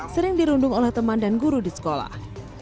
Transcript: sering dirundung oleh teman dan guru di sekolah